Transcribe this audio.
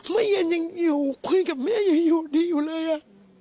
ไม่เย็นยังอยู่คุยกับแม่ยังอยู่ดีอยู่เลยอ่ะ